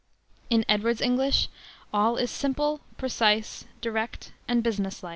In Edwards's English all is simple, precise, direct, and business like.